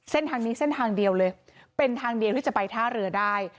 เส้นทางนี้เส้นทางเดียวเลยเป็นทางเดียวที่จะไปท่าเรือได้